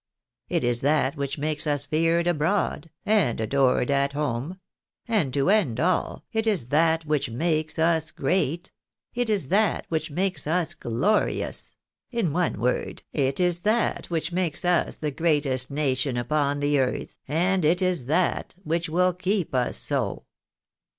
It is that which makes us feared abroad, and adored at home ; and, to end all, it is that which makes us great ; it is that which makes us glorious : in one word, it is that which makes us the greatest nation upon the earth, and it is that which will keep us so."